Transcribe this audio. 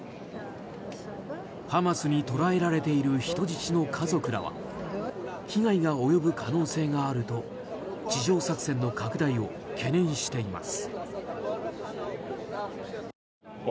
ハマスに捕らえられている人質の家族らは被害が及ぶ可能性があると地上作戦の拡大を懸念しています。